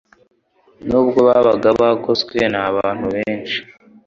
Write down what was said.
Nubwo babaga bagoswe n' abantu benshi,